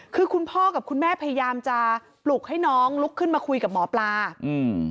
คือคุณพ่อกับคุณแม่พยายามจะปลุกให้น้องลุกขึ้นมาคุยกับหมอปลาอืม